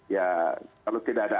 ya kalau tidak ada